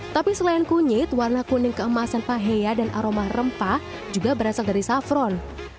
tapi selain kunyit warna kuning keemasan pahea dan aroma rempah juga berasal dari safron